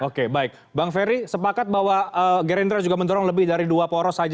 oke baik bang ferry sepakat bahwa gerindra juga mendorong lebih dari dua poros saja